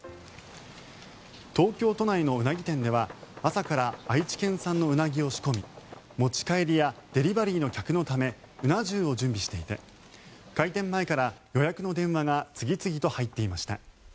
東京都内のウナギ店では朝から愛知県産のウナギを仕込み持ち帰りやデリバリーの客のためうな重を準備していて開店前から予約の電話が次々と入っていました。